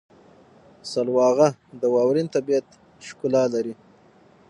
سلواغه د واورین طبیعت ښکلا لري.